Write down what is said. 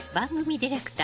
ディレクター